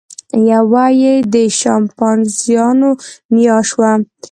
یوه یې د شامپانزیانو نیا شوه.